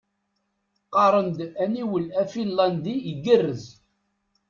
Qqaren-d aniwel afinlandi igerrez.